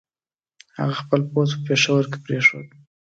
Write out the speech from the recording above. هغه خپل پوځ په پېښور کې پرېښود.